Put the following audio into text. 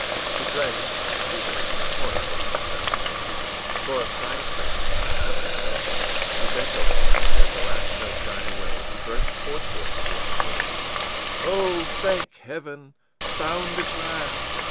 î He dragged himself eagerly to the corner whence the sounds proceeded, tore aside a curtain, and discovered a telephone. He bent over, and as the last note died away he burst forthwith the exclamation: ìOh, thank Heaven, found at last!